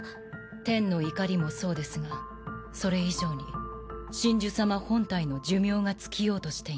天の怒りもそうですがそれ以上に神樹様本体の寿命が尽きようとしています。